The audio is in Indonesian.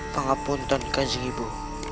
pangapunten kancing ibu